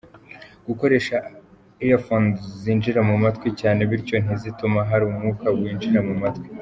Gukoresha earphones zinjira mu matwi cyane bityo ntizituma hari umwuka winjira mu matwi.